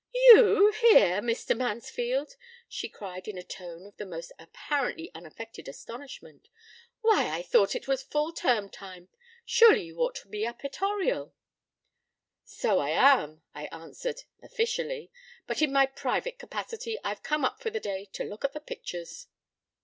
p> "You here, Mr. Mansfield!" she cried in a tone of the most apparently unaffected astonishment, "why, I thought it was full term time; surely you ought to be up at Oriel." "So I am," I answered, "officially; but in my private capacity I've come up for the day to look at the pictures."